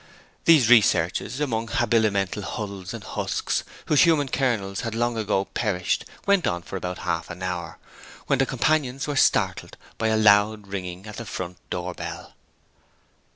These researches among habilimental hulls and husks, whose human kernels had long ago perished, went on for about half an hour; when the companions were startled by a loud ringing at the front door bell.